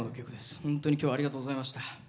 本当にきょうはありがとうございました。